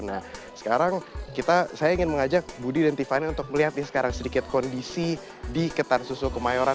nah sekarang saya ingin mengajak budi dan tiffany untuk melihat nih sekarang sedikit kondisi di ketan susu kemayoran